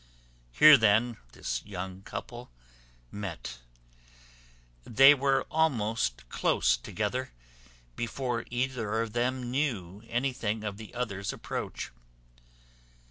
Here then this young couple met. They were almost close together before either of them knew anything of the other's approach.